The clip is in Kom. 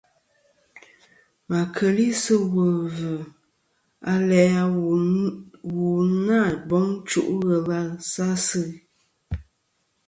Ma keli sɨ wul vzɨ aleʼ a wu na boŋ chuʼ ghelɨ sa asɨ.